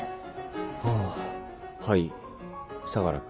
ああはい相良君。